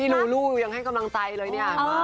ลูลูยังให้กำลังใจเลยเนี่ย